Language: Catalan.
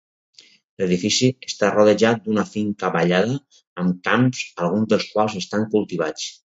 L’edifici està rodejat d’una finca ballada, amb camps alguns dels quals estan cultivats.